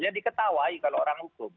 dia diketawai kalau orang hukum